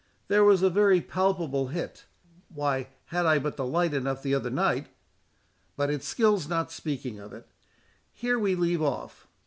There was a very palpable hit. Why, had I had but light enough the other night—But it skills not speaking of it—Here we leave off.